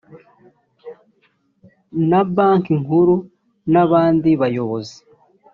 na banki nkuru n abandi bayobozi